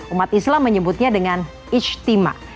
umat islam menyebutnya dengan ijtima